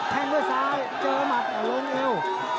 แทงด้วยซ้ายเจอหมัดลงเอว